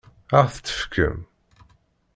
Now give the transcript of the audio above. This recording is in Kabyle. Ad ɣ-t-tefkem?